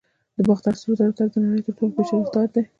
د باختر سرو زرو تاج د نړۍ تر ټولو پیچلی تاج دی